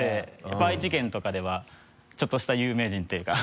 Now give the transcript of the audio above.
やっぱ愛知県とかではちょっとした有名人っていうか。